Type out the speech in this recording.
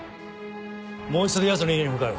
もう一度ヤツの家に向かう。